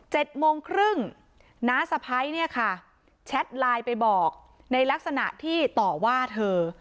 โมงครึ่งน้าสะพ้ายเนี่ยค่ะแชทไลน์ไปบอกในลักษณะที่ต่อว่าเธอ